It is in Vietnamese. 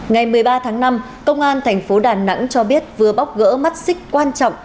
ngày một mươi ba tháng năm công an thành phố đà nẵng cho biết vừa bóc gỡ mắt xích quan trọng